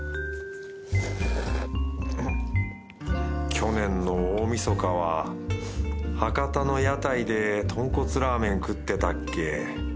去年の大晦日は博多の屋台でとんこつラーメン食ってたっけ。